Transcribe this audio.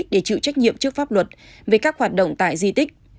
để chịu trách nhiệm trước pháp luật về các hoạt động tại di tích